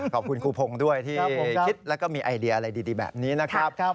ขอบคุณครูพงศ์ด้วยที่คิดแล้วก็มีไอเดียอะไรดีแบบนี้นะครับ